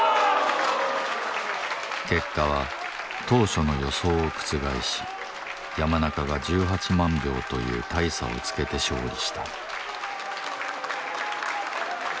結果は当初の予想を覆し山中が１８万票という大差をつけて勝利した。